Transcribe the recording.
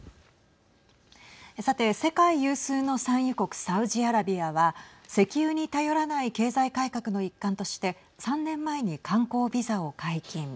さて、世界有数の産油国サウジアラビアは石油に頼らない経済改革の一環として３年前に観光ビザを解禁。